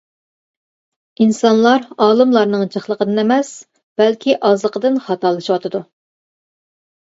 ئىنسانلار ئالىملارنىڭ جىقلىقىدىن ئەمەس، بەلكى ئازلىقىدىن خاتالىشىۋاتىدۇ.